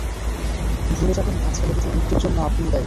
ভুলে যাবেন না ছেলে দুটোর মৃত্যুর জন্য আপনিও দায়ী।